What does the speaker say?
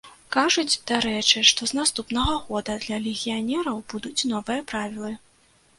Кажуць, дарэчы, што з наступнага года для легіянераў будуць новыя правілы.